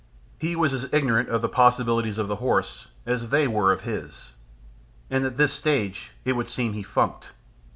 He was as ignorant of the possibilities of a horse as they were of his. And at this stage it would seem he funked.